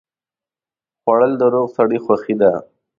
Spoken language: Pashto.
خوړل د روغ سړي خوښي ده